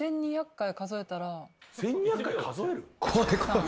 １，２００回数える？